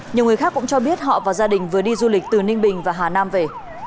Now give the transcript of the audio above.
nhiều người khác cũng cho biết họ và gia đình vừa đi du lịch từ ninh bình và hà nam về